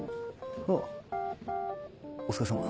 あぁお疲れさま。